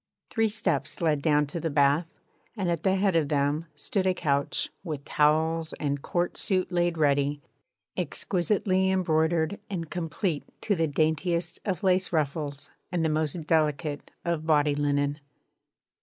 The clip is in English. Three steps led down to the bath, and at the head of them stood a couch, with towels, and court suit laid ready, exquisitely embroidered and complete to the daintiest of lace ruffles and the most delicate of body linen.